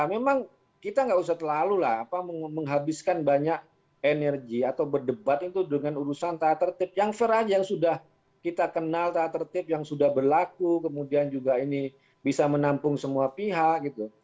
memang kita nggak usah terlalu lah menghabiskan banyak energi atau berdebat itu dengan urusan tata tertib yang fair aja yang sudah kita kenal tata tertib yang sudah berlaku kemudian juga ini bisa menampung semua pihak gitu